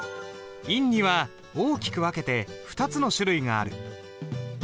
印には大きく分けて２つの種類がある。